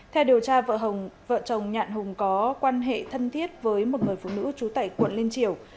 theo điều tra vợ chồng nhạn hùng có quan hệ thân thiết với một người phụ nữ trú tại quận linh triều